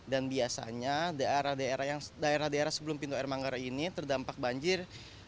dan biasanya daerah daerah sebelum pintu air manggarai ini terdampak banjir